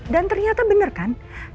dan ternyata bener kan